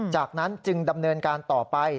จากนั้นจึงดำเนินการต่อไป